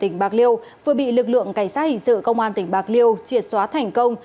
tỉnh bạc liêu vừa bị lực lượng cảnh sát hình sự công an tỉnh bạc liêu triệt xóa thành công